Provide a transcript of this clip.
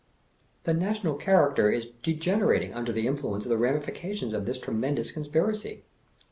The national character is degenerating under the influ ence of the ramifications of this tremendous conspiracy.